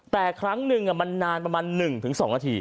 แต่ครั้งหนึ่งมันนานประมาณ๑๒นาที